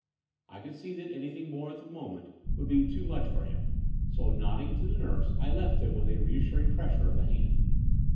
I could see that anything more at the moment would be too much for him; so, nodding to the nurse, I left him with a reassuring pressure of the hand.